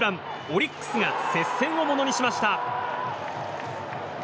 オリックスが接戦をものにしました。